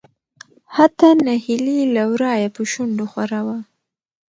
حتا نهيلي له ورايه په شنډو خوره وه .